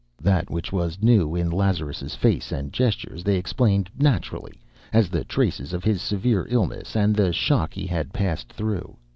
That which was new in Lazarus' face and gestures they explained naturally, as the traces of his severe illness and the shock he had passed through.